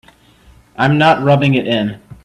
I'm not rubbing it in.